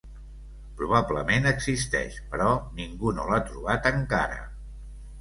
Probablement existeix, però ningú no l'ha trobat encara.